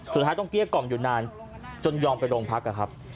สุดท้ายต้องเกลี้ยกล่อมอยู่นานจนยอมไปโรงพักนะครับ